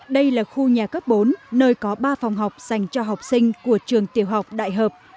đây là khu nhà cấp bốn nơi có ba phòng học dành cho học sinh của trường tiểu học đại học